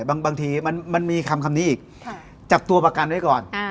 บางทีมันมีคำนี้อีก